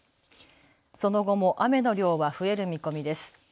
その後も雨の量は増える見込みです。